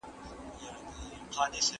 ایا مرګ د ناروغیو وروستۍ درملنه ده؟